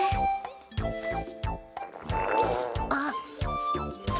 あっ。